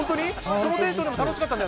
そのテンションでも楽しかったん